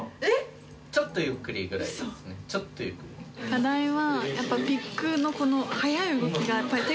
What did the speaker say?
課題は。